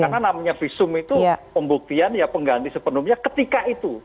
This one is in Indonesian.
karena namanya visum itu pembuktian ya pengganti sepenuhnya ketika itu